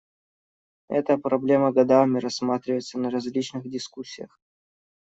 Эта проблема годами рассматривается на различных дискуссиях.